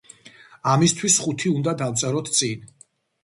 ამისთვის ხუთი უნდა დავწეროთ წინ.